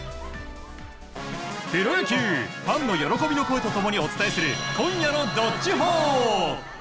プロ野球ファンの喜びと共にお伝えする今夜の「＃どっちほー」。